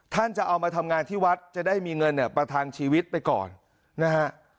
จะเอามาทำงานที่วัดจะได้มีเงินเนี่ยประทังชีวิตไปก่อนนะฮะ